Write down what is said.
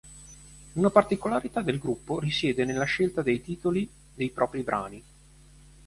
Una particolarità del gruppo risiede nella scelta dei titoli dei propri brani.